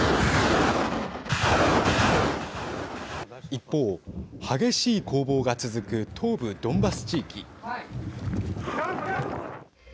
一方、激しい攻防が続く東部ドンバス地域。